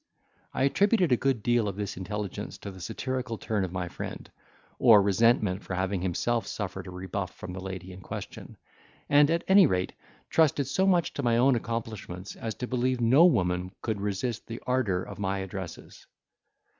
I attributed a good deal of this intelligence to the satirical turn of my friend, or resentment for having himself suffered a rebuff from the lady in question, and, at any rate, trusted so much to my own accomplishments as to believe no woman could resist the ardour of my addresses.